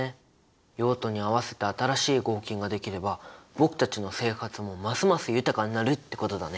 用途に合わせた新しい合金ができれば僕たちの生活もますます豊かになるってことだね。